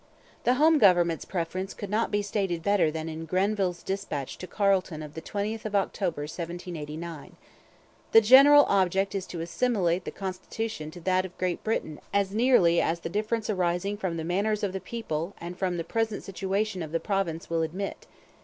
The home government's preference could not be stated better than in Grenville's dispatch to Carleton of the 20th of October 1789: 'The general object is to assimilate the constitution to that of Great Britain as nearly as the difference arising from the manners of the People and from the present situation of the Province will admit.